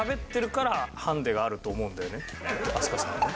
飛鳥さんはね